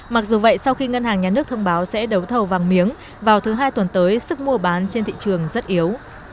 mặc dù vậy sau khi ngân hàng nhà nước thông báo sẽ đấu thầu vàng miếng vào thứ hai tuần tới sức mua bán trên thị trường rất yếu